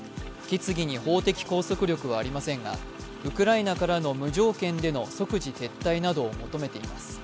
決議に法的拘束力はありませんが、ウクライナからの無条件での即事撤退などを求めています。